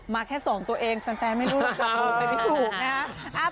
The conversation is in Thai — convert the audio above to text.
มาแค่๒ตัวเองแฟนไม่รู้จะถูกไหม